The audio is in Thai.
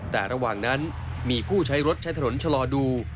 แต่ระหว่างนั้นมีผู้ใช้รถใช้ถนนชะลอดู